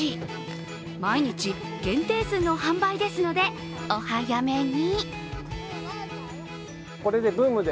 毎日、限定数の販売ですのでお早めに。